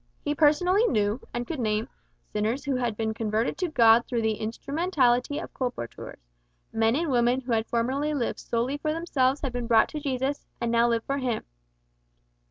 He personally knew, and could name, sinners who had been converted to God through the instrumentality of colporteurs; men and women who had formerly lived solely for themselves had been brought to Jesus, and now lived for Him.